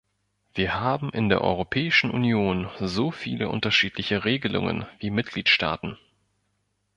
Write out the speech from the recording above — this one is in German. Wir haben in der Europäischen Union so viele unterschiedliche Regelungen wie Mitgliedstaaten.